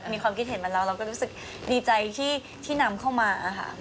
มีความคิดเห็นเหมือนเราเราก็รู้สึกดีใจที่นำเข้ามา